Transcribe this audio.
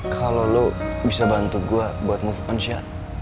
kalau lo bisa bantu gue buat move on sya